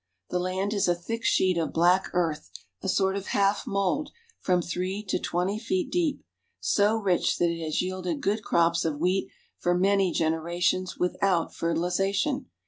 The land is a thick sheet of black earth, a sort of half mold, from three to twenty feet deep, so rich that it has yielded good crops of wheat for many generations without fertilization.